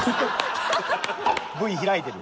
Ｖ開いてる？